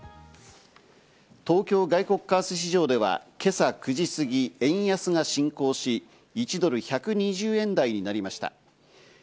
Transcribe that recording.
東京外国為替市場では今朝９時すぎ、円安が進行し、１ドル１２０円台になりました。